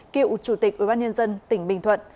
cựu chủ tịch ủy ban nhân dân tỉnh bình thuận